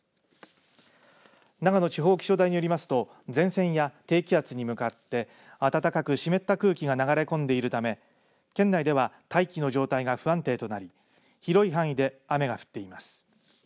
長野地方気象台によりますと前線や低気圧に向かって暖かく湿った空気が流れ込んでいるため県内では大気の状態が非常に不安定となり広い範囲で雨が降っています。